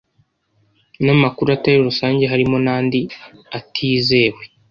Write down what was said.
n amakuru atari rusange harimo nandi atizewe